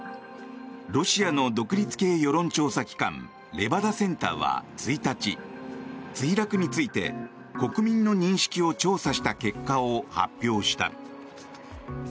ロシアの独立系世論調査機関レバダ・センターは１日墜落について国民の認識を調査した結果を発表した。